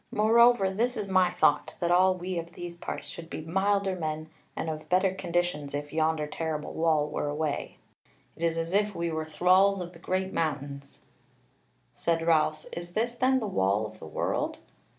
Moreover this is my thought, that all we of these parts should be milder men and of better conditions, if yonder terrible wall were away. It is as if we were thralls of the great mountains." Said Ralph, "Is this then the Wall of the World?"